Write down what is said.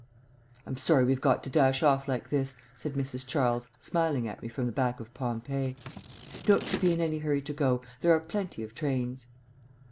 "I'm sorry we've got to dash off like this," said Mrs. Charles, smiling at me from the back of Pompey. "Don't you be in any hurry to go. There are plenty of trains."